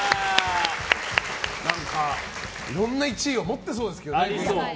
何か、いろんな１位を持ってそうですけどね。